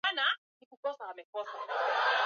kutoka Jimbo Katoliki la Geita Tanzania